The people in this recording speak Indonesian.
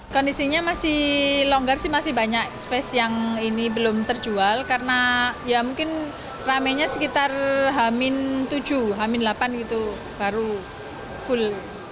kondisinya masih longgar sih masih banyak space yang ini belum terjual karena ya mungkin ramenya sekitar hamin tujuh hamil delapan gitu baru full